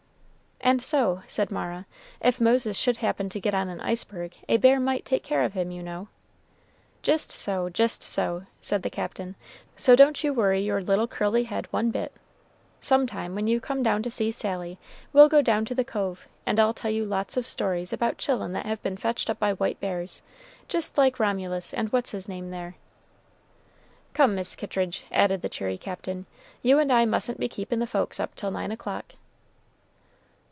"And so," said Mara, "if Moses should happen to get on an iceberg, a bear might take care of him, you know." "Jist so, jist so," said the Captain; "so don't you worry your little curly head one bit. Some time when you come down to see Sally, we'll go down to the cove, and I'll tell you lots of stories about chil'en that have been fetched up by white bears, jist like Romulus and what's his name there." "Come, Mis' Kittridge," added the cheery Captain; "you and I mustn't be keepin' the folks up till nine o'clock."